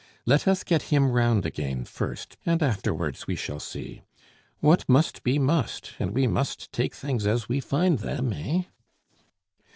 Let us get him round again first, and afterwards we shall see. What must be must; and we must take things as we find them, eh?"